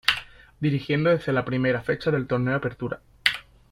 Dirigiendo desde la primera fecha del Torneo Apertura.